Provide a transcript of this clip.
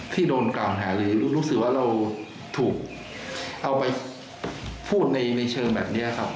โดนกล่าวหาหรือรู้สึกว่าเราถูกเอาไปพูดในเชิงแบบนี้ครับ